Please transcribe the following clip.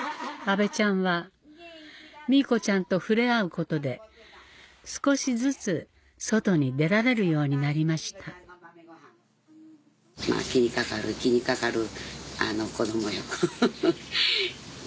阿部ちゃんはミーコちゃんと触れ合うことで少しずつ外に出られるようになりました気にかかる。